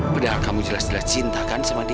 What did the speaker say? padahal kamu jelas jelas cintakan sama dia